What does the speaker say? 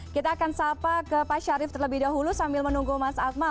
kita akan sapa ke pak syarif terlebih dahulu sambil menunggu mas akmal